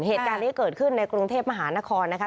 เหตุการณ์นี้เกิดขึ้นในกรุงเทพมหานครนะคะ